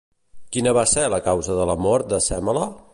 Quina va ser la causa de la mort de Sèmele?